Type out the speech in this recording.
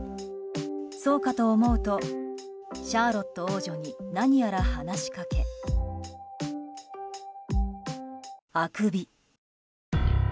そうかと思うとシャーロット王女に何やら話しかけ、あくび。